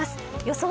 予想